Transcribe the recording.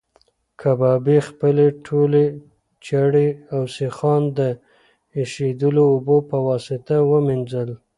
کبابي خپلې ټولې چړې او سیخان د ایشېدلو اوبو په واسطه ومینځل.